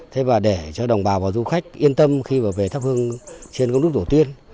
thế và để cho đồng bào và du khách yên tâm khi về tháp hương trên công đúc đầu tiên